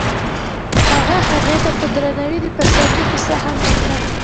هغه هغې ته په درناوي د پسرلی کیسه هم وکړه.